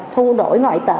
thu đổi ngoại tệ